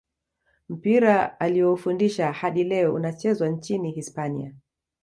mpira alioufundisha hadi leo unachezwa nchini hispania